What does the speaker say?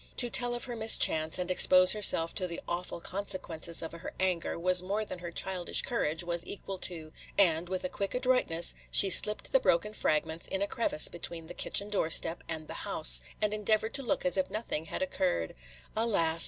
To tell of her mischance, and expose herself to the awful consequences of her anger, was more than her childish courage was equal to; and, with a quick adroitness, she slipped the broken fragments in a crevice between the kitchen doorstep and the house, and endeavored to look as if nothing had occurred. Alas!